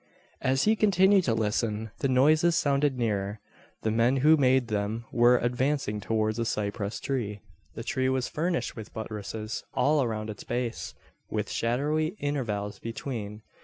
As he continued to listen, the noises sounded nearer. The men who made them were advancing towards the cypress tree. The tree was furnished with buttresses all around its base, with shadowy intervals between.